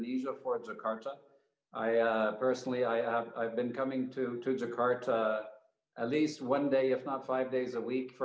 lebih banyak dari banyak negara lain di negara lain